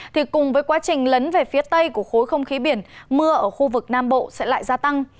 thì cùng với quá trình lấn về phía tây của khối không khí biển mưa ở khu vực nam bộ sẽ lại gia tăng